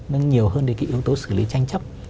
nâng nhiều hơn đến cái yếu tố xử lý tranh chấp